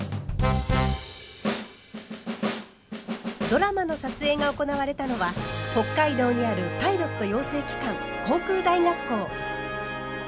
ドラマの撮影が行われたのは北海道にあるパイロット養成機関航空大学校。